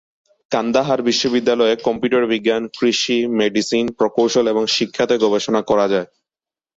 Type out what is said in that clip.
কান্দাহার বিশ্ববিদ্যালয়ে কম্পিউটার বিজ্ঞান, কৃষি, মেডিসিন, প্রকৌশল এবং শিক্ষা তে গবেষণা করাযায়।